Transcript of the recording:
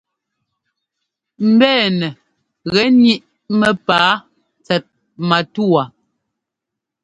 Mbɛ̂nɛ gɛ́ níʼ mɛ́pǎa tsɛt matúwa.